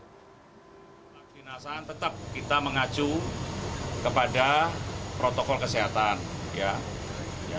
ketika kedinasan tetap kita mengacu kepada protokol kesehatan ya